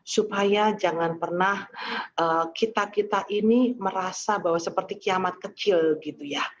supaya jangan pernah kita kita ini merasa bahwa seperti kiamat kecil gitu ya